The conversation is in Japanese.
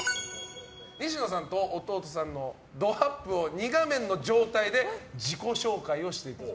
西野さんと弟さんのドアップを２画面の状態で自己紹介をしてもらう。